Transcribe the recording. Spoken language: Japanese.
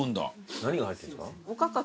何が入ってるんですか？